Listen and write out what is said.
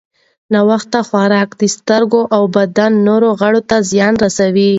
ناوخته خوراک د سترګو او بدن نورو غړو ته زیان رسوي.